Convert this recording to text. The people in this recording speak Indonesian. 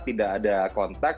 tidak ada kontak